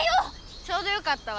ちょうどよかったわ。